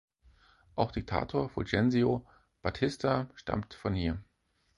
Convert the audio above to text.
Auch Diktator Fulgencio Batista stammt von hier.